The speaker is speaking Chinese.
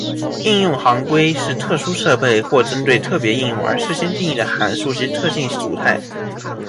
应用行规是特殊设备或针对特别应用而事先定义的函数及特性组态。